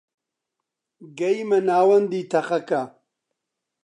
گەیمە ناوەندی تەقەکە